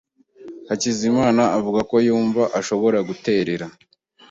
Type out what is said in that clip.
Hakizimana avuga ko yumva ashobora guterera.